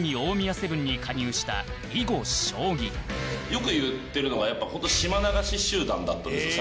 よく言ってるのがやっぱ本当島流し集団だったんですよ